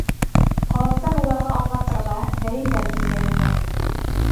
Ҡабаттан уларға аңлатырға, дәлилдәр килтерергә.